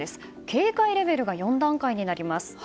警戒レベルが４段階になります。